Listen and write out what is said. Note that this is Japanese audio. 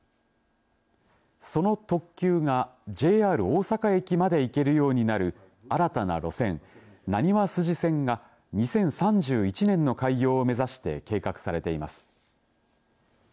その特急がＪＲ大阪駅まで行けるようになる新たな路線、なにわ筋線が２０３１年の開業を目指して計画されています。